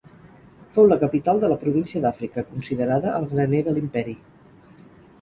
Fou la capital de la província d'Àfrica, considerada el graner de l'imperi.